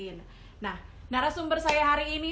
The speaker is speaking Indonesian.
nah narasumber saya hari ini